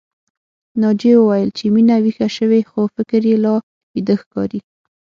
ناجيې وويل چې مينه ويښه شوې خو فکر يې لا ويده ښکاري